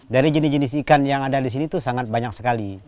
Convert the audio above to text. dari jenis jenis ikan yang ada di sini itu sangat banyak sekali